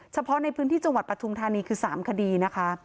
เฉพาะในพื้นที่จังหวัดปฐุมธานีคือ๓คดีนะคะ